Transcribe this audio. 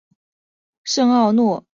圣奥诺兰德迪西。